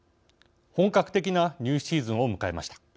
本格的な入試シーズンを迎えました。